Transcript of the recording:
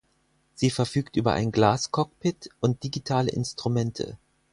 Sie verfügt über ein Glascockpit und digitale Instrumente.